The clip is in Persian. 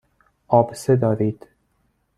آبسه دارید.